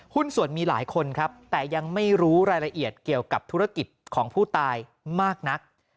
หุ้นส่วนมีหลายคนครับแต่ยังไม่รู้รายละเอียดเกี่ยวกับธุรกิจของผู้ตายมากนัก